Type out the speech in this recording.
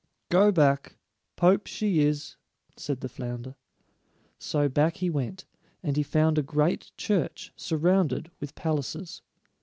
"Go back. Pope she is," said the flounder. So back he went, and he found a great church, surrounded with palaces.